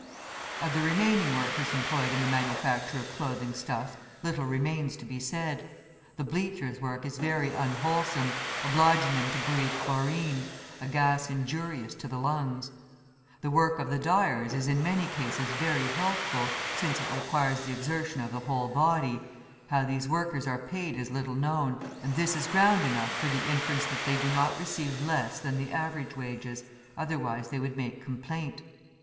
Of the remaining workers employed in the manufacture of clothing stuffs little remains to be said; the bleachers' work is very unwholesome, obliging them to breathe chlorine, a gas injurious to the lungs. The work of the dyers is in many cases very healthful, since it requires the exertion of the whole body; how these workers are paid is little known, and this is ground enough for the inference that they do not receive less than the average wages, otherwise they would make complaint.